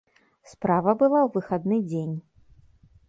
Справа была ў выхадны дзень.